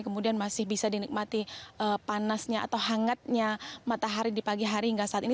kemudian masih bisa dinikmati panasnya atau hangatnya matahari di pagi hari hingga saat ini